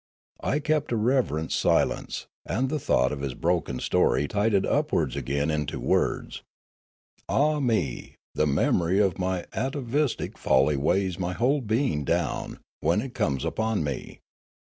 I kept a reverent silence, and the thought of his broken story tided upwards again into words. " Ah me! the memory of my atavistic folly weighs my whole being down, when it comes upon me.